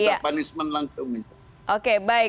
pekan depan pemerintah akan menaikkan harga bbm adalah dampak kemarin